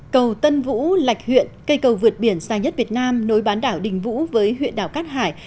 cầu tân vũ lạch huyện cây cầu vượt biển dài nhất việt nam nối bán đảo đình vũ với huyện đảo cát hải